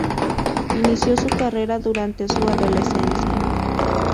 Inició su carrera durante su adolescencia.